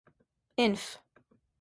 Inf.